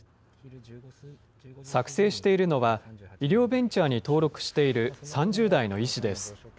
作成しているのは、医療ベンチャーに登録している３０代の医師です。